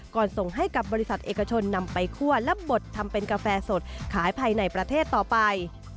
ส่งให้กับบริษัทเอกชนนำไปคั่วและบดทำเป็นกาแฟสดขายภายในประเทศต่อไป